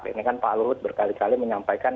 ini kan pak luhut berkali kali menyampaikan